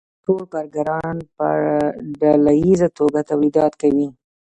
ټول کارګران په ډله ییزه توګه تولیدات کوي